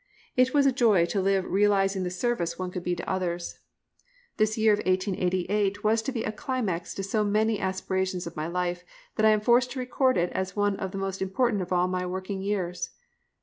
It was a joy to live realising the service one could be to others. This year of 1888 was to be a climax to so many aspirations of my life that I am forced to record it as one of the most important of all my working years.